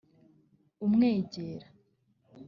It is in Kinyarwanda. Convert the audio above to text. umwegera